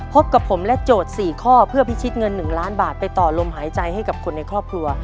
พบกับผมและโจทย์๔ข้อเพื่อพิชิตเงิน๑ล้านบาทไปต่อลมหายใจให้กับคนในครอบครัว